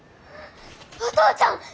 お父ちゃん！